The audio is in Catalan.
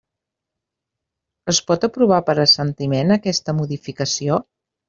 Es pot aprovar per assentiment aquesta modificació?